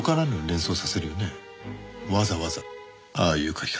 わざわざああいう書き方は。